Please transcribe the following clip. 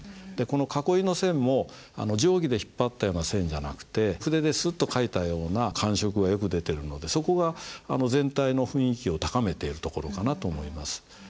囲いの線も定規で引っ張ったような線じゃなくて筆でスッと書いたような感触がよく出てるのでそこが全体の雰囲気を高めているところかなと思います。